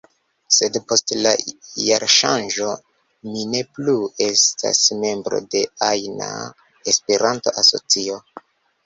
Sed post la jarŝanĝo mi ne plu estas membro de ajna Esperanto-asocio.